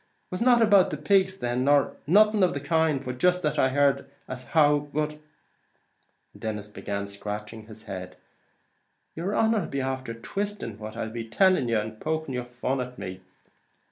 It was not about the pigs then, nor nothing of the kind, but jist that I heard as how, but " and Denis began scratching his head "yer honer 'll be after twisting what I'll be tellin' yer, and poking your fun at me."